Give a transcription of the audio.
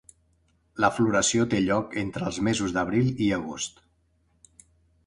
La floració té lloc entre els mesos d'abril i agost.